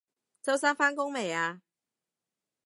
周生返工未啊？